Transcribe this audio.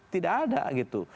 tidak ada gitu